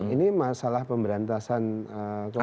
ini masalah pemberantasan korupsi